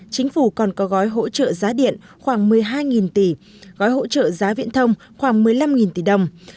chính phủ còn có gói hỗ trợ giá điện khoảng một mươi hai tỷ gói hỗ trợ giá viễn thông khoảng một mươi năm tỷ đồng